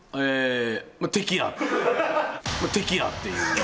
まあ、敵やっていう。